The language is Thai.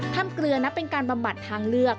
เกลือนับเป็นการบำบัดทางเลือก